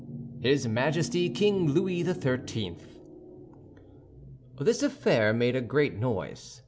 HIS MAJESTY KING LOUIS XIII. This affair made a great noise.